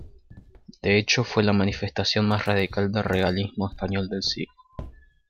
De hecho, fue la manifestación más radical del regalismo español del siglo.